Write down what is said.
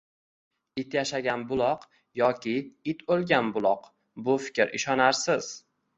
. It yashagan buloq yoki it o‘lgan buloq. Bu fikr ishonarsiz.